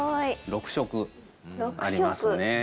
６色ありますね。